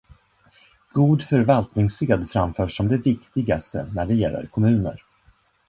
God förvaltningssed framförs som det viktigaste när det gäller kommuner.